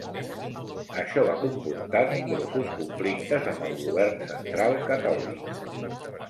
Això va comportar nombrosos conflictes amb el govern central catòlic.